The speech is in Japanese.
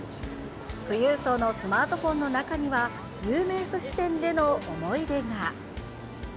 富裕層のスマートフォンの中には、有名すし店での思い出が。